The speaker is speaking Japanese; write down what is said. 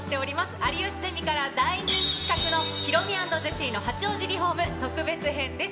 有吉ゼミから、大人気企画のヒロミ＆ジェシーの八王子リホーム特別編です。